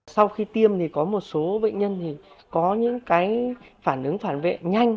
sau khi tiêm thì có một số bệnh nhân thì có những cái phản ứng phản vệ nhanh